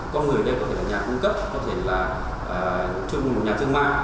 con người đây có thể là nhà cung cấp có thể là nhà thương mạng